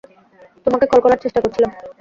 তোমাকে কল করার চেষ্টা করছিলাম!